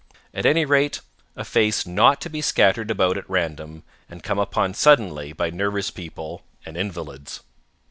At any rate, a face not to be scattered about at random and come upon suddenly by nervous people and invalids.